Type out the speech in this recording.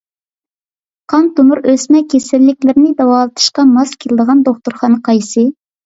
قان تومۇر، ئۆسمە كېسەللىكلىرىنى داۋالىتىشقا ماس كېلىدىغان دوختۇرخانا قايسى؟